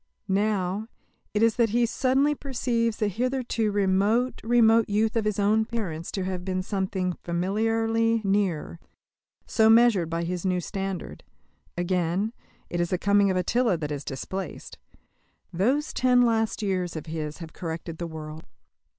Now, it is that he suddenly perceives the hitherto remote, remote youth of his own parents to have been something familiarly near, so measured by his new standard; again, it is the coming of Attila that is displaced. Those ten last years of his have corrected the world.